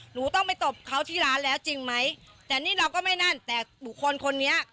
หนูต้องไปตบเขาที่ร้านแล้วจริงไหมแต่นี่เราก็ไม่นั่นแต่บุคคลคนนี้